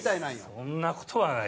「そんな事はない」？